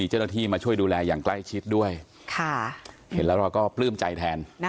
เห็นแล้วก็ปลื้มใจแทน